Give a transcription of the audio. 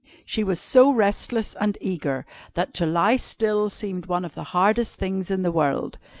She was so restless and eager, that to lie still seemed one of the hardest things in the world.